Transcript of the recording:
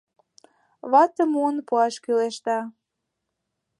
— Ватым муын пуаш кӱлеш да...